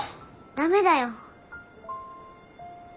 ダメだよ。